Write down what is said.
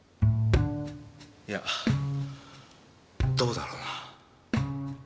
いやどうだろうな。